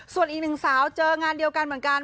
ส่วนอีกหนึ่งสาวเจองานเดียวกันเหมือนกัน